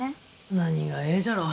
何がええじゃろう。